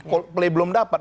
call play belum dapat